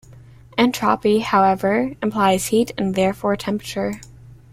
Entropy, however, implies heat and therefore temperature.